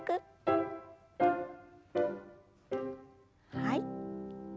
はい。